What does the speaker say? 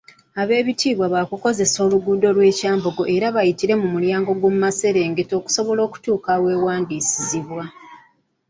Abeebitiibwa baakukozesa oluguudo lwa Kyambogo era bayitire mu mulyango gw'omumaserengeta okusobola okutuuka aweewandiisizibwa.